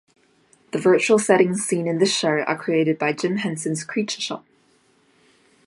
The virtual settings seen in this show are created by Jim Henson's Creature Shop.